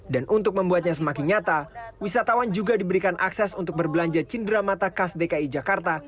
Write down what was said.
dan untuk membuatnya semakin nyata wisatawan juga diberikan akses untuk berbelanja cindera mata khas dki jakarta